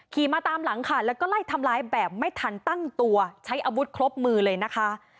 ขี่มาตามหลังค่ะแล้วก็ไล่ทำร้ายแบบไม่ทันตั้งตัวใช้อาวุธครบมือเลยนะคะ